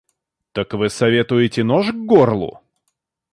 Так вы советуете нож к горлу?